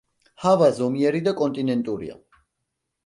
ჰავა ზომიერი და კონტინენტურია.